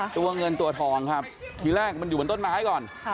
ตัวเงินตัวทองครับทีแรกมันอยู่บนต้นไม้ก่อน